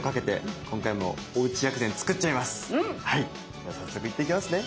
では早速行ってきますね。